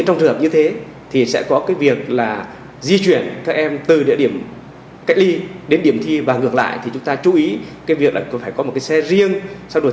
trường hợp có thí sinh f một địa điểm cách ly và sẽ đưa thí sinh f một tập trung và tổ chức thi riêng tại đây